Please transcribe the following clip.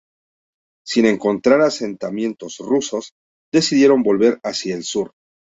Sin encontrar asentamientos rusos, decidieron volver hacia el sur.